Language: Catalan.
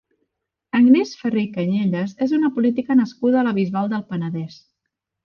Agnès Ferré i Cañellas és una política nascuda a la Bisbal del Penedès.